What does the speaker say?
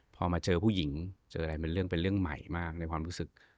พอมาเจอผู้หญิงเจออะไรมันเรื่องเป็นเรื่องใหม่มากในความรู้สึก